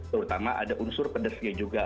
terutama ada unsur pedasnya juga